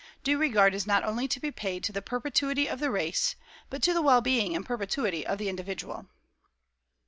Due regard is not only to be paid to the perpetuity of the race, but to the well being and perpetuity of the individual."